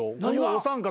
お三方